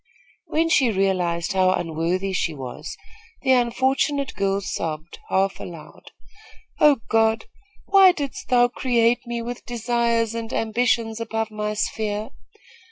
When she realized how unworthy she was, the unfortunate girl sobbed, half aloud: "Oh, God, why didst thou create me with desires and ambitions above my sphere?